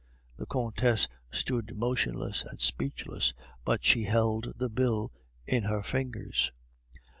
The Countess stood motionless and speechless, but she held the bill in her fingers.